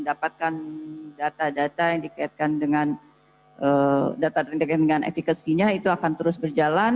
dapatkan data data yang dikaitkan dengan data dan efekasinya itu akan terus berjalan